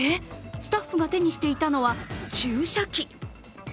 スタッフが手にしていたのは注射器。